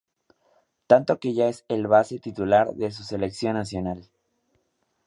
Tanto que ya es el base titular de su selección nacional.